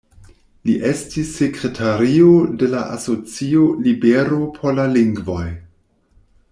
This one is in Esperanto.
Li estis sekretario de la asocio "Libero por la lingvoj".